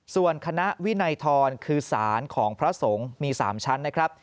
ส่วนคณะวินัยทรคือสารของพระสงฆ์มี๓ชั้นนะครับ